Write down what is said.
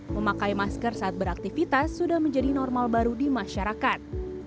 memakai masker saat beraktivitas sudah menjadi normal baru di masyarakat